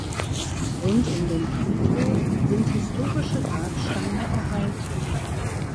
Rund um den Friedhof sind historische Grabsteine erhalten.